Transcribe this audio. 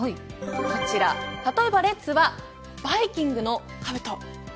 こちらは例えばレッズはバイキングのかぶと。